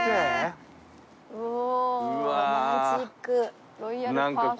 おお。